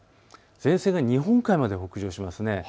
前線が日本海まで北上しますね。